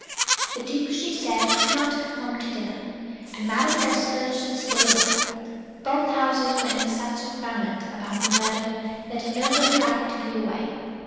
The Duke, she said, could not come home to dinner, and Madame Goesler should stay with her. Both Houses were in such a ferment about the murder, that nobody liked to be away.